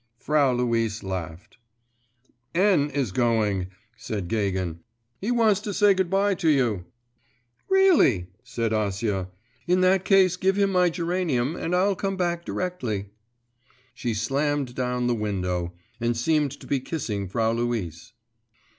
Frau Luise laughed. 'N. is going,' said Gagin; 'he wants to say good bye to you.' 'Really,' said Acia; 'in that case give him my geranium, and I'll come back directly.' She slammed to the window and seemed to be kissing Frau Luise.